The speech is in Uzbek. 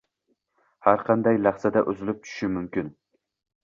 – har qanday lahzada uzilib tushishi mumkin